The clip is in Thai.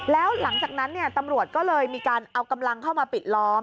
แล้วหลังจากนั้นตำรวจก็เลยมีการเอากำลังเข้ามาปิดล้อม